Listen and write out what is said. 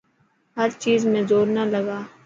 هر چيز ۾ زور نا لگا.